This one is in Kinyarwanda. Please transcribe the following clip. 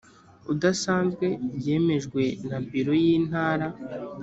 idasanzwe byemejwe na biro y intara